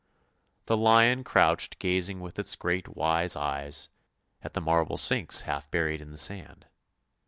The lion crouched gazing with its great wise eyes at the marble Sphinx half buried in the sand.